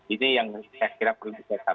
ini yang saya kira perlu dikatakan